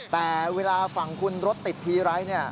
แต่เวลาฝั่งคุณรถติดทีไร้